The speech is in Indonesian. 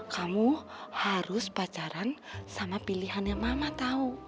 kamu harus pacaran sama pilihan yang mama tahu